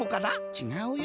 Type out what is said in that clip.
ちがうよ。